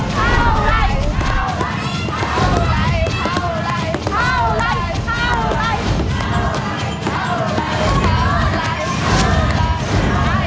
เข้าไหล